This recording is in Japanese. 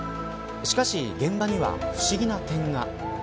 しかし現場には不思議な点が。